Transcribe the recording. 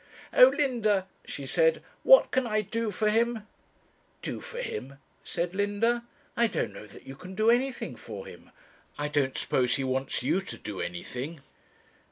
'Oh, Linda,' she said, 'what can I do for him?' 'Do for him?' said Linda; 'I don't know that you can do anything for him. I don't suppose he wants you to do anything.'